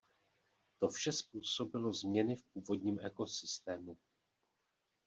To vše způsobilo změny v původním ekosystému.